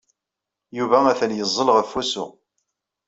Yuba atan yeẓẓel ɣef wusu.